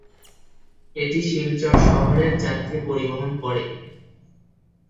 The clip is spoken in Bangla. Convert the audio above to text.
এটি শিলচর শহরের যাত্রী পরিবহন করে।